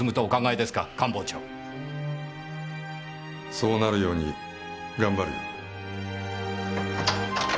そうなるように頑張るよ。